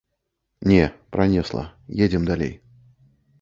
Не, пранесла, едзем далей.